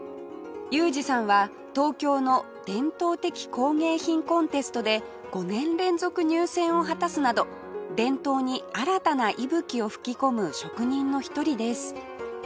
裕二さんは東京の伝統的工芸品コンテストで５年連続入選を果たすなど伝統に新たな息吹を吹き込む職人の一人です